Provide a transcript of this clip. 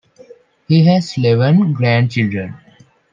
He has eleven grandchildren.